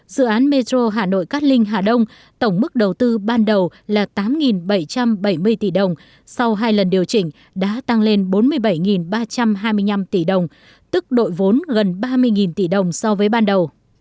dự án metro hà nội cát linh hà đông tổng mức đầu tư ban đầu là tám bảy trăm bảy mươi tỷ đồng sau hai lần điều chỉnh đã tăng lên bốn mươi bảy ba trăm hai mươi năm tỷ đồng tức đội vốn gần ba mươi tỷ đồng so với ban đầu